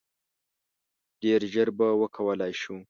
ډیر ژر به وکولای شو.